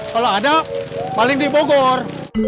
kalau ada paling dibogor